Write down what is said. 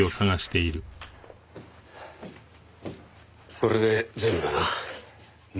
これで全部だな。